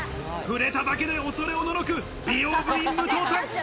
触れただけで恐れおののく美容部員、武藤さん。